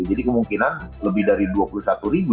jadi kemungkinan lebih dari dua puluh satu ribu